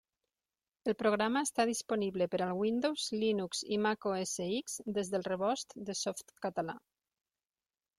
El programa està disponible per al Windows, Linux i Mac OS X des del Rebost de Softcatalà.